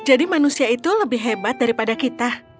oh jadi manusia itu lebih hebat daripada kita